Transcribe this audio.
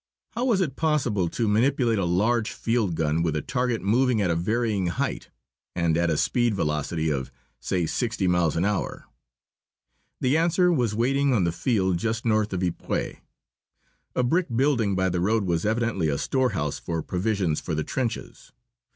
How was it possible to manipulate a large field gun, with a target moving at a varying height, and at a speed velocity of, say, sixty miles an hour? The answer was waiting on the field just north of Ypres. A brick building by the road was evidently a storehouse for provisions for the trenches.